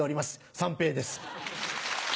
三平です。